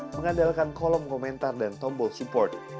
mengandalkan kolom komentar dan tombol support